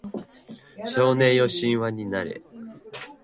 少年よ神話になれ